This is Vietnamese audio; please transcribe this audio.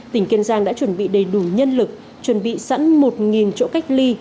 tỉnh kiên giang đã chuẩn bị đầy đủ nhân lực chuẩn bị sẵn một chỗ cách ly